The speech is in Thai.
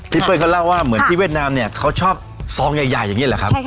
เป้ยเขาเล่าว่าเหมือนที่เวียดนามเนี่ยเขาชอบซองใหญ่อย่างนี้แหละครับ